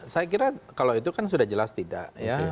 saya kira kalau itu kan sudah jelas tidak